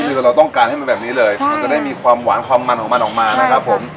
คือเราต้องการให้มันแบบนี้เลยมันจะได้มีความหวานความมันของมันออกมานะครับผม